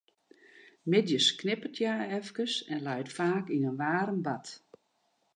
Middeis knipperet hja efkes en leit faak yn in waarm bad.